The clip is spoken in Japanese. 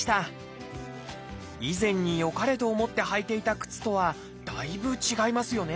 以前によかれと思って履いていた靴とはだいぶ違いますよね